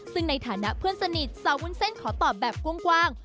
ซึ่งในฐานะเพื่อนสนิทสาววุ้นเส้นขอตอบแบบกว้าง